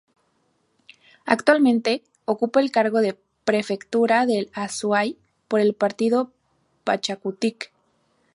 Actualmente ocupa el cargo de prefectura del Azuay por el partido Pachakutik.